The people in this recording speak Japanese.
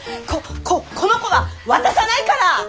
こここの子は渡さないから！